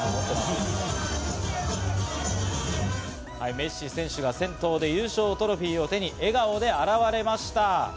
メッシ選手が先頭で優勝トロフィーを手に笑顔で現れました。